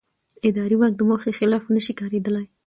اداري واک د موخې خلاف نه شي کارېدلی.